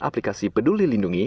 aplikasi peduli lindungi